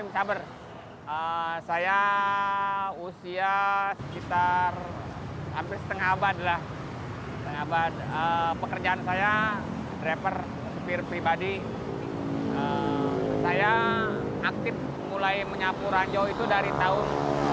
saya aktif mulai menyapu ranjau itu dari tahun dua ribu sepuluh